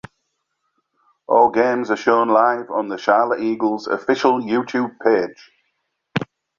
All games are shown live on the Charlotte Eagles official YouTube page.